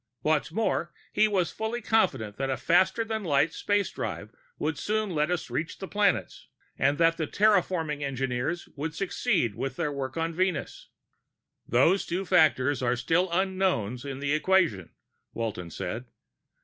What's more, he was fully confident that a faster than light space drive would soon let us reach the planets, and that the terraforming engineers would succeed with their work on Venus." "Those two factors are still unknowns in the equation," Walton said.